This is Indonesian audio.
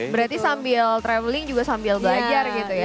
berarti sambil traveling juga sambil belajar gitu ya